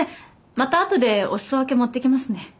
また後でお裾分け持っていきますね。